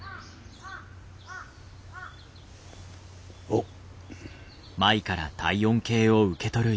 おっ。